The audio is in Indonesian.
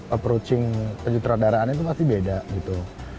approaching kejutradaraan itu pasti beda gitu